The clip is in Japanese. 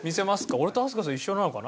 俺と飛鳥さん一緒なのかな？